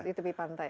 di tepi pantai